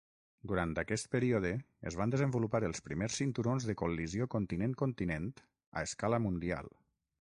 Durant aquest període, es van desenvolupar els primers cinturons de col·lisió continent-continent a escala mundial.